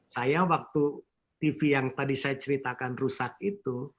saya waktu tv yang tadi saya ceritakan rusak itu